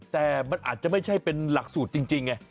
แต่มันอาจจะไม่ใช่เป็นหลักสูตรจริงไง